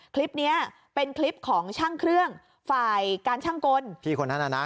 คลิปเนี้ยเป็นคลิปของช่างเครื่องฝ่ายการช่างกลพี่คนนั้นน่ะนะ